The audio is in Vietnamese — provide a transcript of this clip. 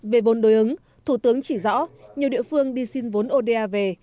về vốn đối ứng thủ tướng chỉ rõ nhiều địa phương đi xin vốn oda về